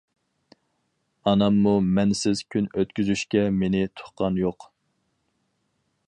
ئاناممۇ مەنىسىز كۈن ئۆتكۈزۈشكە مېنى تۇغقان يوق.